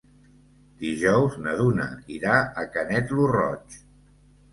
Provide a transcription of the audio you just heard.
Dijous na Duna irà a Canet lo Roig.